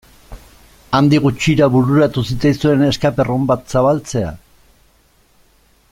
Handik gutxira bururatu zitzaizuen escape room bat zabaltzea?